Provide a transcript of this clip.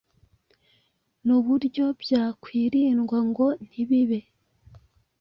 n’uburyo byakwirindwa ngo ntibibe